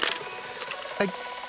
はい。